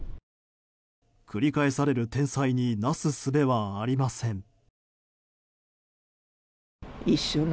繰り返される天災になすすべはありません。